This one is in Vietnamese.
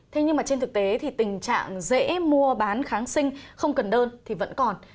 thế nhưng mà trên thực tế thì tình trạng dễ mua bán kháng sinh không cần đơn thì vẫn còn